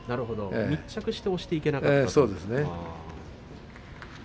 密着して押していけなかったんですね。